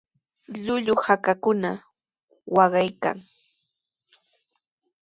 Llullu hakakuna waqaykan.